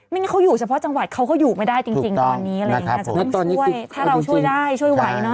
ไม่งั้นเค้าอยู่เฉพาะจังหวัดเค้าก็อยู่ไม่ได้จริงตอนนี้ต้องช่วยถ้าเราช่วยได้ช่วยไหวนะ